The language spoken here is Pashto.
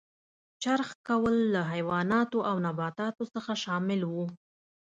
چرخ کول له حیواناتو او نباتاتو څخه شامل و.